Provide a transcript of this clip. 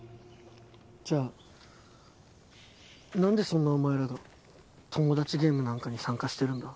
じゃあなんでそんなお前らがトモダチゲームなんかに参加してるんだ？